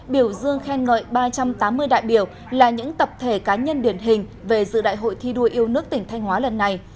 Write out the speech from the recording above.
biểu dương khen ngợi ba trăm tám mươi đại biểu là những tập thể cá nhân điển hình về dự đại hội thi đua yêu nước tỉnh thanh hóa lần này